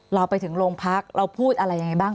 เราไปถึงโรงพักเราพูดอะไรยังไงบ้าง